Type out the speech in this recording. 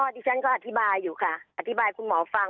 ดิฉันก็อธิบายอยู่ค่ะอธิบายคุณหมอฟัง